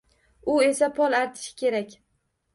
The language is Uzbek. U esa pol artishi kerak